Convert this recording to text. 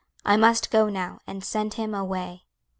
I must go now, and send him away."